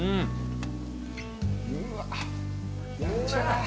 うわっやんちゃ。